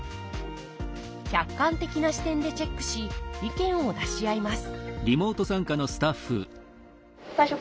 客観的な視点でチェックし意見を出し合います